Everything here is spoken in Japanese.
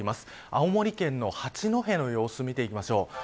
青森県の八戸の様子を見ていきましょう。